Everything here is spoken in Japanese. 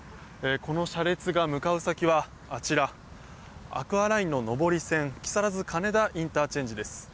この車列が向かう先は、あちらアクアライン上り線木更津金田ＩＣです。